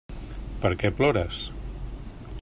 Per què plores?